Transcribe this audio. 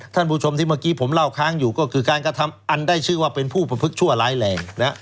ท่านผู้ชมที่เมื่อกี้ผมเล่าค้างอยู่ก็คือการกระทำอันได้ชื่อว่าเป็นผู้ประพฤกชั่วร้ายแรง